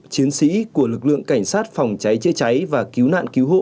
chiến sĩ của lực lượng cảnh sát phòng cháy chữa cháy và cứu nạn cứu hộ